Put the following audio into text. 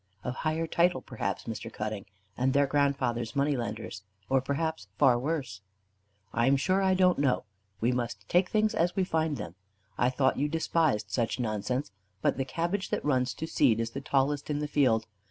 "Of higher title perhaps, Mr. Cutting; and their grandfathers money lenders, or perhaps far worse." "I am sure I don't know; we must take things as we find them. I thought you despised such nonsense. But the cabbage that runs to seed is the tallest in the field.